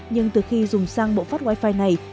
nhưng từ khi dùng sang bộ phát wifi này